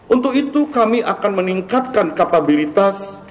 untuk itu kami akan meningkatkan kapabilitas